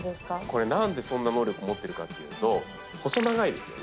これ何でそんな能力を持ってるかっていうと細長いですよね。